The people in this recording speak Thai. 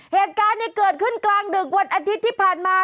เหตุการณ์นี้เกิดขึ้นกลางดึกวันอาทิตย์ที่ผ่านมา